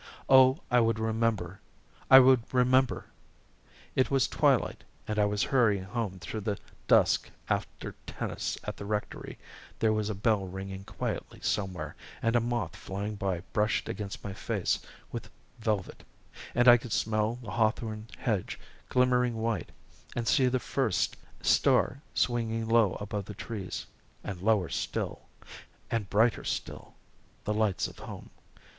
Oh, I would remember, I would remember! It was twilight, and I was hurrying home through the dusk after tennis at the rectory; there was a bell ringing quietly somewhere and a moth flying by brushed against my face with velvet and I could smell the hawthorn hedge glimmering white, and see the first star swinging low above the trees, and lower still, and brighter still, the lights of home.